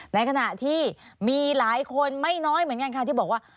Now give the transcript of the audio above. ในขณะที่มีหลายคนไม่น้อยเหมือนกันค่ะที่บอกว่า